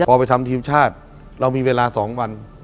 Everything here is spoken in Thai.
พอไปทำทีมชาติเรามีเวลา๒วัน